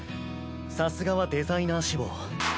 さすがはデザイナー志望。